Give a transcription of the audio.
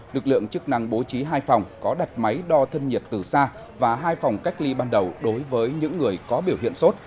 lực lượng chức năng bố trí hai phòng có đặt máy đo thân nhiệt từ xa và hai phòng cách ly ban đầu đối với những người có biểu hiện sốt